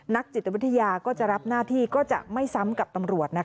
จิตวิทยาก็จะรับหน้าที่ก็จะไม่ซ้ำกับตำรวจ